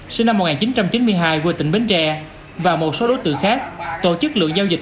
sinh năm một nghìn chín trăm chín mươi hai quê tỉnh bến tre và một số đối tượng khác tổ chức lượng giao dịch